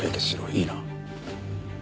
いいな？